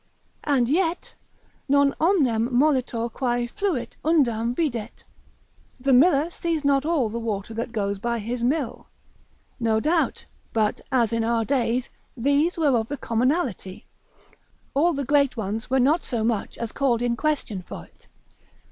And yet, Non omnem molitor quae fluit undam videt, the miller sees not all the water that goes by his mill: no doubt, but, as in our days, these were of the commonalty, all the great ones were not so much as called in question for it.